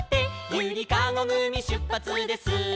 「ゆりかごぐみしゅっぱつです」